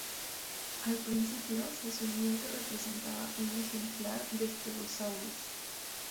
Al principio, se asumió que representaba un ejemplar de "Stegosaurus".